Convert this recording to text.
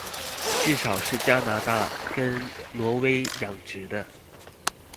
至少是加拿大跟挪威養殖的